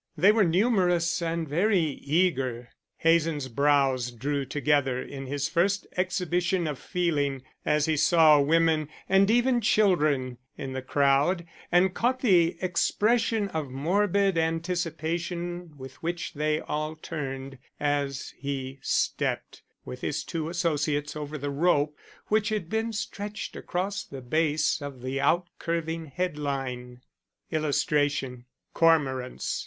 They were numerous and very eager. Hazen's brows drew together in his first exhibition of feeling, as he saw women and even children in the crowd, and caught the expression of morbid anticipation with which they all turned as he stepped with his two associates over the rope which had been stretched across the base of the out curving head line. [Illustration: "Cormorants!"